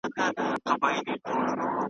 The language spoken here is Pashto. د نعمتونو پکښي رودونه .